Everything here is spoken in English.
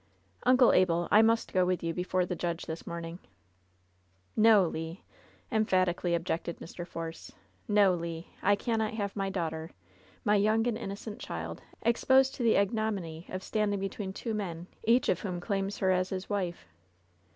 "Uncle Abel, I must go with you before the judge this morning." "ITo, Le!" emphatically objected Mr. Force. "No, Le ! I cannot have my daughter, my young and inno cent child, exposed to the ignominy of standing between two men, each of whom claims her as his wife."